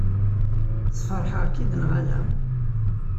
Sfeṛḥeɣ-k-id neɣ ala?